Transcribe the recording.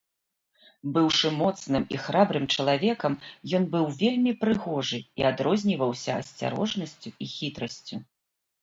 Быўшы моцным і храбрым чалавекам, ён быў вельмі прыгожы і адрозніваўся асцярожнасцю і хітрасцю.